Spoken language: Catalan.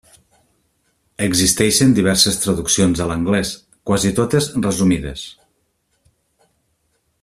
Existeixen diverses traduccions a l'anglès, quasi totes resumides.